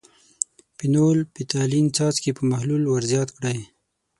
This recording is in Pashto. فینول – فتالین څاڅکي په محلول ور زیات کړئ.